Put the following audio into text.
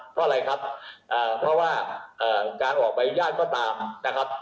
เพราะอะไรครับเอ่อเพราะว่าเอ่อการออกบริญญาณก็ตามนะครับ